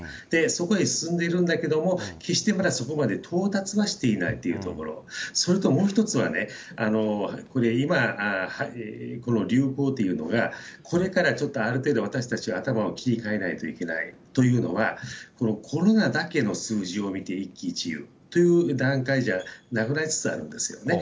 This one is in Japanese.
そこへ進んでいるんだけれども、決してまだそこまでは到達していないというところ、それともう１つはね、これ今、この流行というのが、これからちょっとある程度、私たちは頭を切り替えないといけないというのは、コロナだけの数字を見て、一喜一憂という段階じゃなくなりつつあるんですよね。